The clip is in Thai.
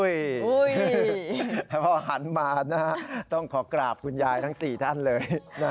แล้วพอหันมาต้องขอกราบคุณยายทั้ง๔ท่านเลย